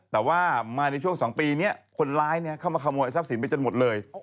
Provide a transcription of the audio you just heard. แต่ว่ามาในช่วง๒ปีนี้คนร้ายเข้ามาขโมยทรัพย์สินไปจนหมดเลย